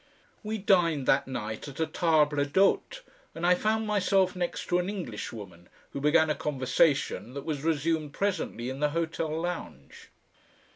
We dined that night at a table d'hote, and I found myself next to an Englishwoman who began a conversation that was resumed presently in the hotel lounge.